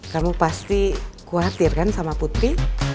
kamu pasti khawatir kan sama putri